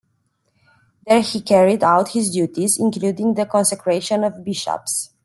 There he carried out his duties, including the consecration of bishops.